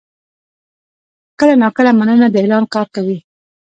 کله ناکله «مننه» د اعلان کار کوي.